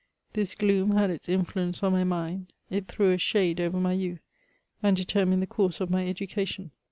This gloom had its influence on my mind ; it threw a shade over my youth, and determined the course of my education.